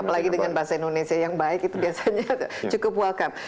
apalagi dengan bahasa indonesia yang baik itu biasanya cukup welcome